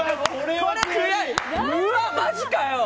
うわ、マジかよ！